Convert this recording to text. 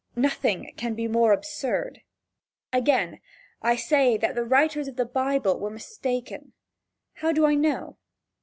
Nothing can be more absurd. Again I say that the writers of the Bible were mistaken. How do I know?